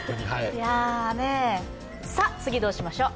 さあ、次どうしましょう？